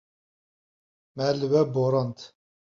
Me li we borand.